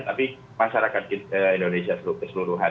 tapi masyarakat indonesia keseluruhan